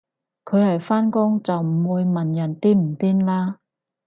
佢係返工就唔會問人癲唔癲啦